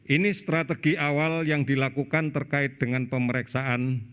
ini strategi awal yang dilakukan terkait dengan pemeriksaan